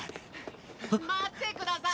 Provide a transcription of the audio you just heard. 待ってください！